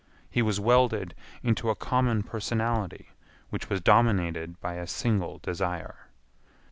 He was welded into a common personality which was dominated by a single desire.